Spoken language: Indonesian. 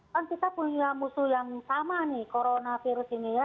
kan kita punya musuh yang sama nih coronavirus ini ya